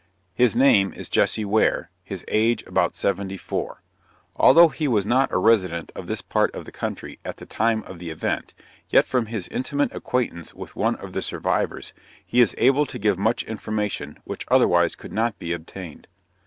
His name is Jesse Ware his age about 74. Although he was not a resident of this part of the country at the time of the event, yet from his intimate acquaintance with one of the survivors, he is able to give much information, which otherwise could not be obtained.